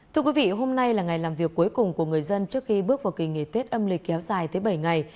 thưa quý vị hôm nay là ngày làm việc cuối cùng của người dân trước khi bước vào kỳ nghỉ tết âm lịch kéo dài tới bảy ngày